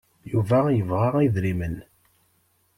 Yuba yebɣa idrimen.